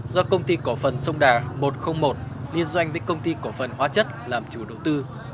do công ty cổ phần sông đà một trăm linh một liên doanh với công ty cổ phần hóa chất làm chủ đầu tư